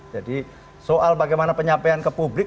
jadi soal bagaimana penyampaian ke publik